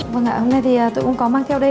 vâng ạ hôm nay thì tôi cũng có mang theo đây